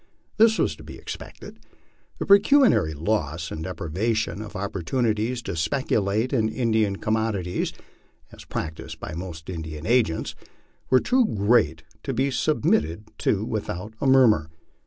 This was to be expected. The pecuniary loss and deprivation of opportunities to speculate in Indian jommodities, as practised by most Indian agents, were too great to be sub mitted to without a murmur.